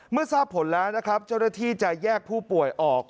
เมื่อทราบผลแล้วนะครับเจ้าหน้าที่จะแยกผู้ป่วยออก